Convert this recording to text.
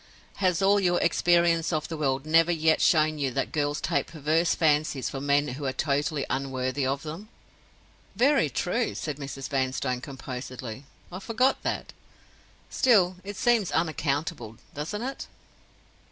Has all your experience of the world never yet shown you that girls take perverse fancies for men who are totally unworthy of them?" "Very true," said Mrs. Vanstone, composedly. "I forgot that. Still it seems unaccountable, doesn't it?"